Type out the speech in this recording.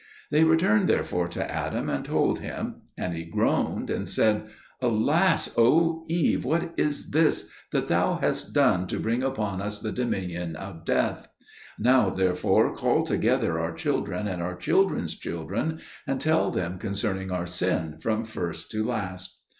They returned therefore to Adam, and told him; and he groaned and said, "Alas! O Eve, what is this that thou hast done, to bring upon us the dominion of death? Now therefore call together our children and our children's children, and tell them concerning our sin, from first to last."